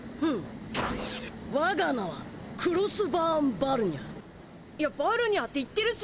フッわが名はクロスバーン・バルニャーいやバルニャーって言ってるし！